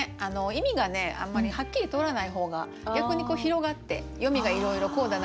意味があんまりはっきり通らない方が逆にこう広がって読みがいろいろこうだなあ